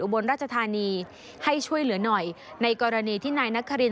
บนราชธานีให้ช่วยเหลือหน่อยในกรณีที่นายนคริน